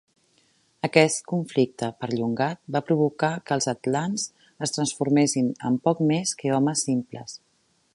Aquest conflicte perllongat va provocar que els atlants es transformessin en poc més que homes simples.